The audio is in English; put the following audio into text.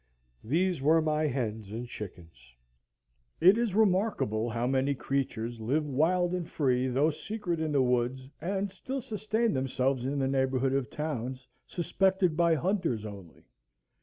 These were my hens and chickens. It is remarkable how many creatures live wild and free though secret in the woods, and still sustain themselves in the neighborhood of towns, suspected by hunters only.